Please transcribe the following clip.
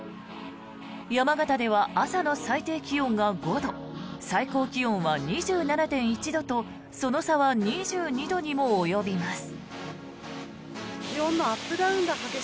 山形では朝の最低気温が５度最高気温は２７．１度とその差は２２度にも及びます。